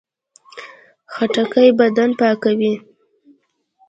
خټکی بدن پاکوي.